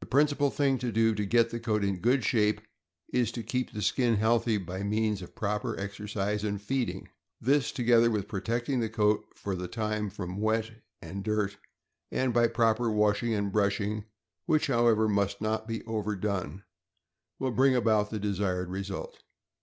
The principal thing to do to get the coat in good shape is to keep the skin healthy by means of proper exercise and feeding; this, together with protecting the coat for the time from wet and dirt, and by proper washing and brushing, which, however, must not be overdone, will bring about the desired result.